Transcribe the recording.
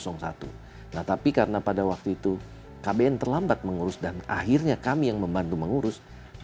nah tapi karena pada waktu itu kbn terlambat mengurus dan akhirnya kami yang membantu mengurus